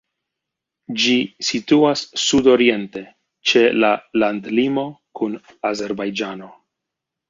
Ĝi situas sudoriente, ĉe la landlimo kun Azerbajĝano.